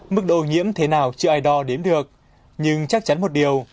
mức độ ô nhiễm thế nào chưa ai đo đếm được nhưng chắc chắn một điều